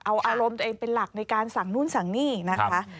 เอาอารมณ์ตัวเองเป็นหลักในการสั่งนู่นสั่งนี่นะคะ